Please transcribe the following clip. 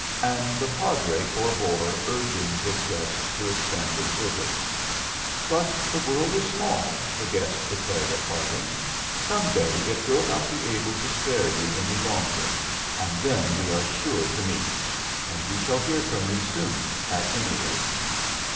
And the padre forbore urging his guest to extend his visit. "But the world is small," the guest declared at parting. "Some day it will not be able to spare you any longer. And then we are sure to meet. And you shall hear from me soon, at any rate."